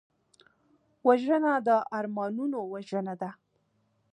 وژنه د ارمانونو وژنه ده